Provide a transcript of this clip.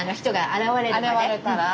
現れたら？